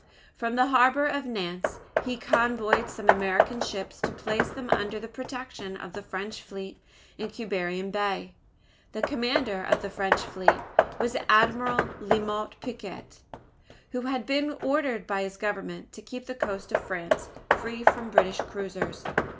From the harbour of Nantes, he convoyed some American ships to place them under the protection of the French fleet in Quiberon Bay. The commander of the French fleet was Admiral La Motte Picquet, who had been ordered by his Government to keep the coast of France free from British cruisers.